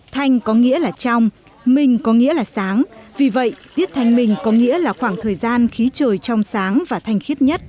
thanh có nghĩa là trong minh có nghĩa là sáng vì vậy tiết thanh minh có nghĩa là khoảng thời gian khí trời trong sáng và thanh khiết nhất